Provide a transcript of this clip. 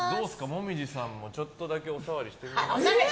紅葉さんもちょっとだけお触りしてみますか？